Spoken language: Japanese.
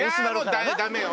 ダメよ！